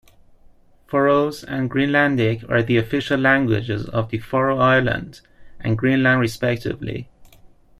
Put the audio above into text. Faroese and Greenlandic are the official languages of the Faroe Islands and Greenland respectively.